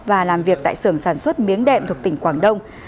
và làm việc tại sưởng sản xuất miếng đệm thuộc tỉnh quảng đông